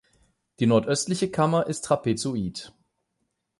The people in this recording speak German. Die nordöstliche Kammer ist trapezoid.